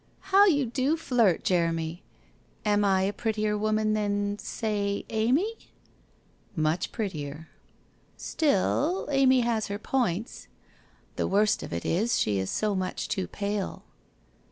* How you do flirt, Jeremy! Am I a prettier woman than — say — Amy? '' Much prettier.' ' Still Amy has her points. The worst of it is, she is so much too pale.'